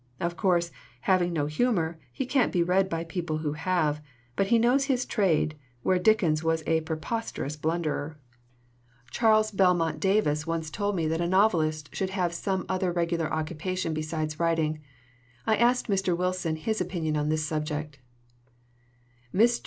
Of course, having no humor, he can't be read by people who have, but he knows his trade, where Dickens was a preposterous blunderer." Charles Belmont Davis once told me that a novelist should have some other regular occupa tion besides writing. I asked Mr. Wilson his opinion on this subject. "Mr.